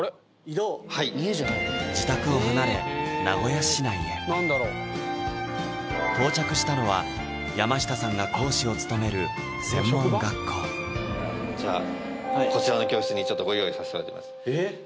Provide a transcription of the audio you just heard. はい自宅を離れ名古屋市内へ到着したのは山下さんが講師を務める専門学校じゃあこちらの教室にちょっとご用意させていただいてますえっ？